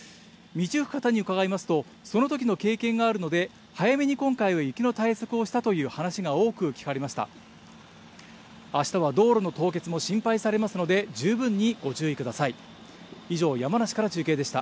道行く方に伺いますと、そのときの経験があるので、早めに今回は雪の対策をしたという話が多く聞かれました。